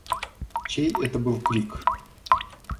Чей это был крик?